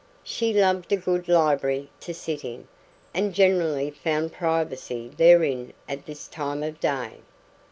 She loved a good library to sit in, and generally found privacy therein at this time of day.